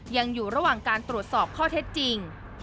ยังอยู่ระหว่างการตรวจสอบข้อเท็จจริง